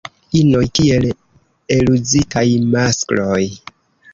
Inoj kiel eluzitaj maskloj.